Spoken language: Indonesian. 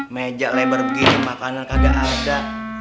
meja lebar begini makanan kagak ada